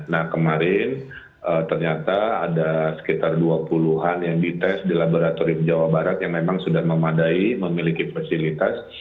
nah kemarin ternyata ada sekitar dua puluh an yang dites di laboratorium jawa barat yang memang sudah memadai memiliki fasilitas